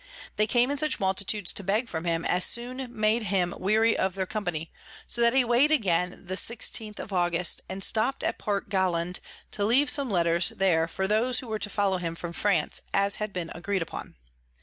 They came in such multitudes to beg from him, as soon made him weary of their Company; so that he weigh'd again the 16_th_ of August, and stopt at Port Galand to leave some Letters there for those who were to follow him from France, as had been agreed on.